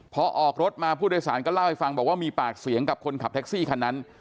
พอออกรถมาผู้โดยสารก็เล่าให้ฟังบอกว่ามีปากเสียงกับคนขับแท็กซี่คันนั้น